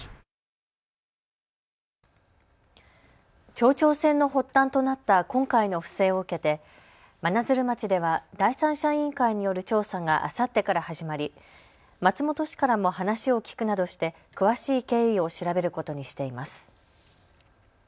町長選の発端となった今回の不正を受けて真鶴町では第三者委員会による調査があさってから始まり松本氏からも話を聞くなどして詳しい経緯を調べることにしています。